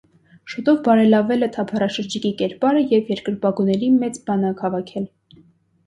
Շուտով բարելավել է թափառաշրջիկի կերպարը և երկրպագուհիների մեծ բանակ հավաքել։